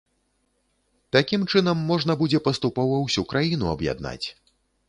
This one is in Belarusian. Такім чынам можна будзе паступова ўсю краіну аб'яднаць.